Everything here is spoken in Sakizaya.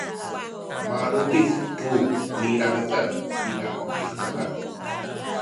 malubic ku nilangec tina mihcaan